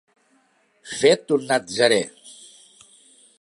Fet un natzarè.